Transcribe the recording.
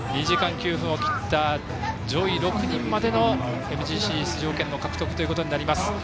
２時間９分を切った上位６人までのＭＧＣ出場権の獲得ということになります。